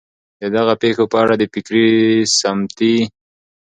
د دغه پېښو په اړه د فکري ، سمتي